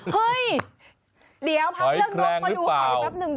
เดี๋ยวพักเรื่องนกมาดูหอยแป๊บหนึ่งได้ไหมไหวแรงหรือเปล่า